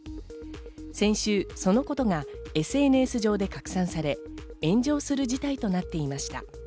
先週そのことがＳＮＳ上で拡散され、炎上する事態となっていました。